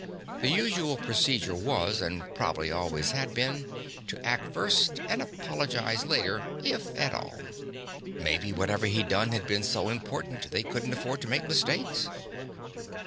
The usual procedure was, and probably always had been, to act first and apologize later, if at all. Maybe whatever he'd done had been so important they couldn't afford to make mistakes.